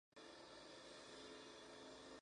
Flyleaf es primer álbum de larga duración.